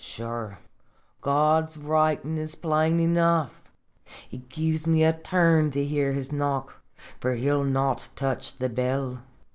Sure, God's writin' is plain enough !" It gives me a turn to hear his knock, for ne '11 not touch the bell.